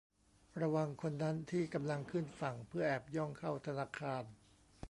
ระวังคนนั้นที่กำลังขึ้นฝั่งเพื่อแอบย่องเข้าธนาคาร